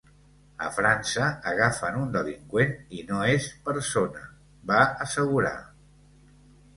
A França agafen un delinqüent i no és persona, va assegurar.